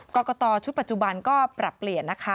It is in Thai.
กรกตชุดปัจจุบันก็ปรับเปลี่ยนนะคะ